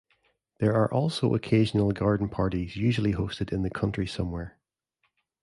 There are also occasional garden parties usually hosted in the country somewhere.